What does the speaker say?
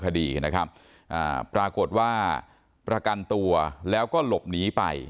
คดีนะครับอ่าปรากฏว่าประกันตัวแล้วก็หลบหนีไป